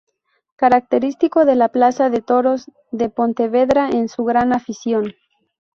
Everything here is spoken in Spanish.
Característico de la plaza de toros de Pontevedra es su gran afición.